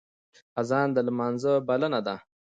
اذان د لمانځه بلنه ده